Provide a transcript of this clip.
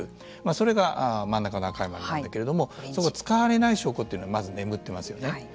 それが真ん中の赤い丸なんだけれども使われない証拠というのが眠っていますよね。